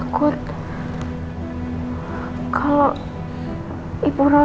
tunggu disitu ya